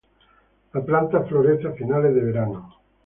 La planta florece a finales de verano.